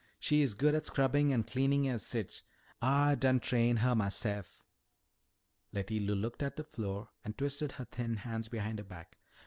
She is good at scrubbin' an' cleanin' an sich. Ah done train'd her mahse'f." Letty Lou looked at the floor and twisted her thin hands behind her back.